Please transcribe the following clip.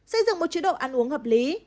xây dựng một chế độ ăn uống hợp lý